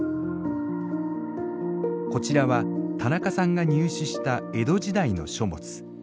こちらは田中さんが入手した江戸時代の書物。